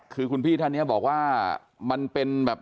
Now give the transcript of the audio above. คือคุณพี่ท่านเนี่ยบอกว่ามันเป็นแบบ